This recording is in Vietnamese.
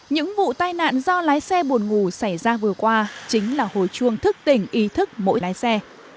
những vụ tai nạn do lái xe buồn ngủ xảy ra vừa qua chính là hồi chuông thức tỉnh ý thức mỗi lái xe